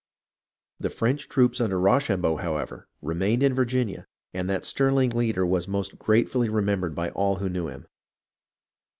The French troops under Rochambeau, however, re mained in Virginia, and that sterling leader was most gratefully remembered by all who knew him.